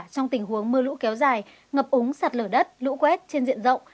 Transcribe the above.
trong tình huống mưa lũ kéo dài ngập úng sạt lở đất lũ quét trên diện rộng